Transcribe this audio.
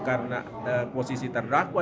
karena posisi terdakwa